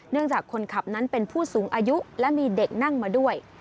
จากคนขับนั้นเป็นผู้สูงอายุและมีเด็กนั่งมาด้วย